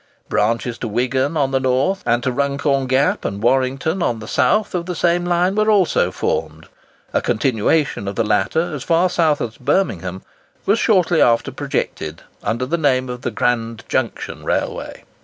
Branches to Wigan on the north, and to Runcorn Gap and Warrington on the south of the same line, were also formed. A continuation of the latter, as far south as Birmingham, was shortly after projected under the name of the Grand Junction Railway.